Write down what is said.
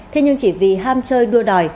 thế nhưng chỉ vì ham chơi đua đòi